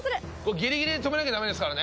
ギリギリで止めなきゃダメですからね！